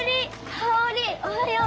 香織おはよう！